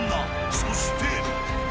そして。